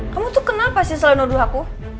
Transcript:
kamu tuh kenapa sih selalu noduh aku